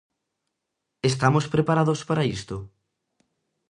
Estamos preparados para isto?